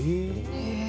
へえ。